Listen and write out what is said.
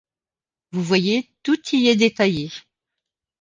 Vous voyez, tout y est détaillé.